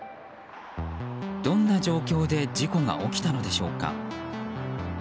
どんな状況で事故が起きたのでしょうか。